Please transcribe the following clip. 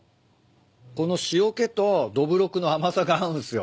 この塩けとどぶろくの甘さが合うんすよ。